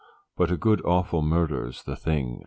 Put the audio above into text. But a good, awful murder's the thing.